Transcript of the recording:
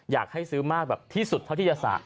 อยากให้ซื้อมากแบบที่สุดเท่าอยียสัก